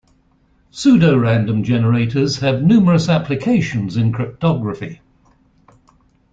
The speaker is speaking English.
Pseudorandom generators have numerous applications in cryptography.